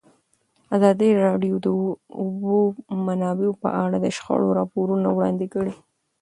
ازادي راډیو د د اوبو منابع په اړه د شخړو راپورونه وړاندې کړي.